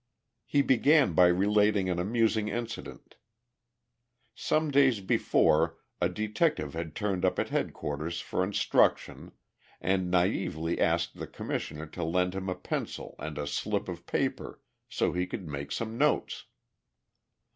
He began by relating an amusing incident. Some days before a detective had turned up at headquarters for instruction, and naïvely asked the Commissioner to lend him a pencil and a slip of paper, so he could make some notes.